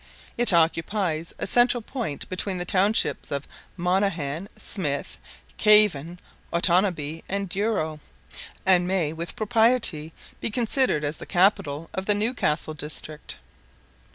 It occupies a central point between the townships of Monaghan, Smith, Cavan, Otanabee, and Douro, and may with propriety be considered as the capital of the Newcastle district.